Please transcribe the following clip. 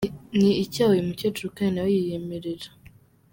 Ni icyaha uyu mukecuru kandi nawe yiyemerera.